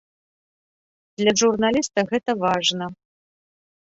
Для журналіста гэта важна.